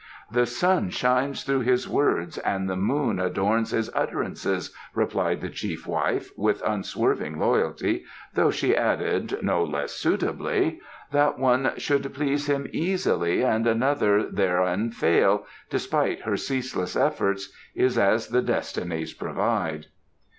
"The sun shines through his words and the moon adorns his utterances," replied the chief wife, with unswerving loyalty, though she added, no less suitably: "That one should please him easily and another therein fail, despite her ceaseless efforts, is as the Destinies provide."